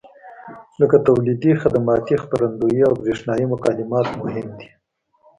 لکه تولیدي، خدماتي، خپرندویي او برېښنایي مکالمات مهم دي.